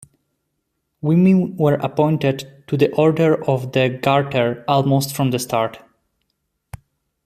Women were appointed to the Order of the Garter almost from the start.